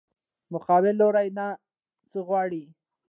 مقابل لوري نه څه غواړې؟